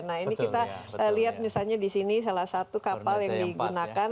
nah ini kita lihat misalnya di sini salah satu kapal yang digunakan